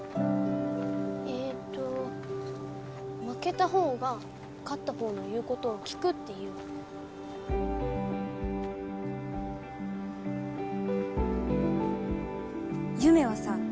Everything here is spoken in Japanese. えーっと負けたほうが勝ったほうの言うことを聞くっていうゆめはさ